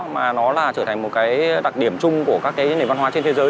mà nó là trở thành một cái đặc điểm chung của các cái nền văn hóa trên thế giới